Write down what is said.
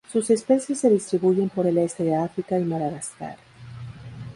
Sus especies se distribuyen por el este de África y Madagascar.